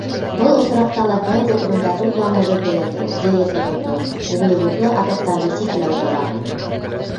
Был осраҡта ла тәүге урында туҡланыуҙы күҙәтеү, диета тотоу, углеводлы аҙыҡтарҙы сикләү тора.